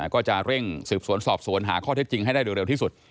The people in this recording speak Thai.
ก็จะเร่งสืบสวนสอบสวนหาข้อเท็จจริงให้ได้โดยเร็วที่สุด